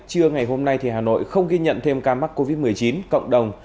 trưa ngày hôm nay hà nội không ghi nhận thêm ca mắc covid một mươi chín cộng đồng